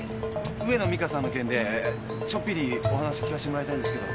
上野美香さんの件でちょっぴりお話聞かせてもらいたいんですけど。